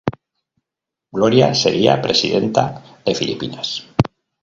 Gloria sería presidenta de Filipinas.